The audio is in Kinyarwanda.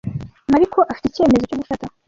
Mariko afite icyemezo cyo gufata.